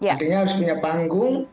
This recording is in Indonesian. artinya harus punya panggung